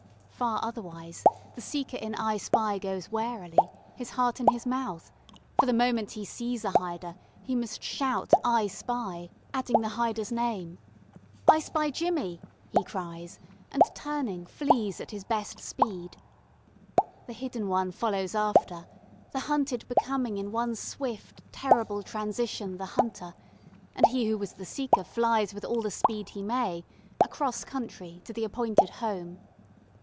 Far otherwise; the seeker in "I spy" goes warily, his heart in his mouth for, the moment he sees a hider, he must shout "I spy," adding the hider's name. "I spy Jimmy!" he cries, and turning, flees at his best speed. The hidden one follows after the hunted becoming in one swift terrible transition the hunter, and he who was the seeker flies with all the speed he may, across country, to the appointed "home."